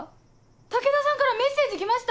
武田さんからメッセージ来ました。